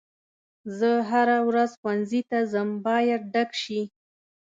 زه هره ورځ ښوونځي ته ځم باید ډک شي.